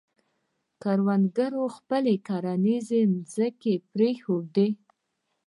کروندګرو خپلې کرنیزې ځمکې پرېښودې.